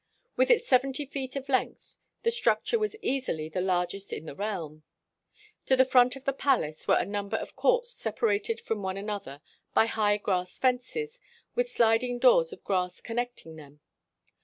With its seventy feet of length, the structure was easily the larg est in the realm. To the front of the palace were a number of courts separated from one another by high grass fences, with sliding doors of grass connecting them.